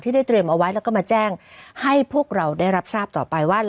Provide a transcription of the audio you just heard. ได้เตรียมเอาไว้แล้วก็มาแจ้งให้พวกเราได้รับทราบต่อไปว่า